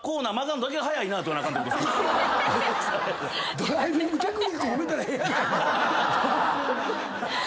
ドライビングテクニック褒めたらええやないか。